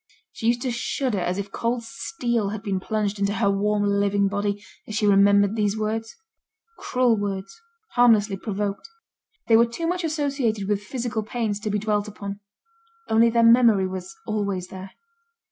She used to shudder as if cold steel had been plunged into her warm, living body as she remembered these words; cruel words, harmlessly provoked. They were too much associated with physical pains to be dwelt upon; only their memory was always there.